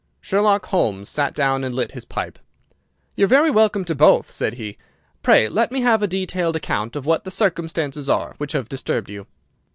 Sherlock Holmes sat down and lit his pipe. "You are very welcome to both," said he. "Pray let me have a detailed account of what the circumstances are which have disturbed you."